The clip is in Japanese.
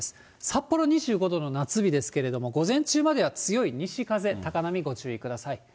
札幌２５度の夏日ですけれども、午前中までは強い西風、高波、ご注意ください。